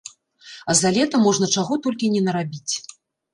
А за лета можна чаго толькі не нарабіць!